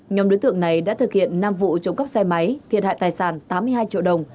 nhóm đối tượng này đã thực hiện năm vụ trộm cắp xe máy thiệt hại tài sản tám mươi hai triệu đồng